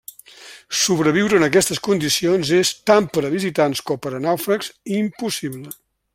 Sobreviure en aquestes condicions és, tant per a visitants com per a nàufrags, impossible.